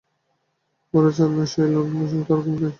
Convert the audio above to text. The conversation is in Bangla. ঘরে যার চাল নেই, নেই লেপ কম্বলচোখে তাঁর ঘুম নেই, ছেঁড়া কাঁথা সম্বল।